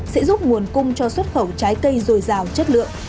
sẽ giúp nguồn cung cho xuất khẩu trái cây dồi dào chất lượng